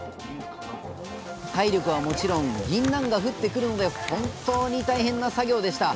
体力はもちろんぎんなんが降ってくるので本当に大変な作業でした。